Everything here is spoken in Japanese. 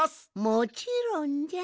もちろんじゃ。